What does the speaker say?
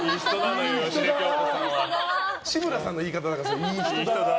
志村さんの言い方だから。